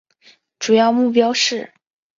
主要目标是